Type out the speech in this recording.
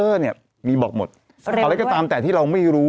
เราต้องตรวจสอบท่ามที่เราไม่รู้